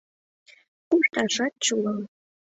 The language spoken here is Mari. Кушташат чулым.